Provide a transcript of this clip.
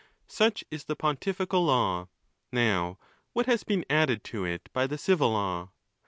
Such is the pontifical law. Now what has been added to it by the civil law